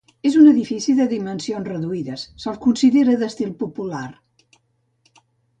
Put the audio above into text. És un edifici de dimensions reduïdes, se'l considera d'estil popular.